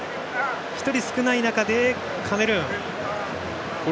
１人少ない中でというカメルーン。